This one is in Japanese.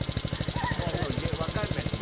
まぁでも分からないですよ